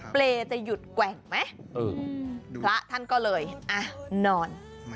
เปรย์จะหยุดแกว่งไหมพระท่านก็เลยอ่ะนอน